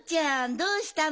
どうしたの？